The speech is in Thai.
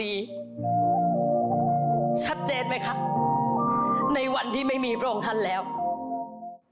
ของท่านได้เสด็จเข้ามาอยู่ในความทรงจำของคน๖๗๐ล้านคนค่ะทุกท่าน